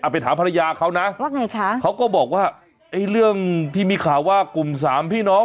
ไปถามภรรยาเขานะว่าไงคะเขาก็บอกว่าไอ้เรื่องที่มีข่าวว่ากลุ่มสามพี่น้อง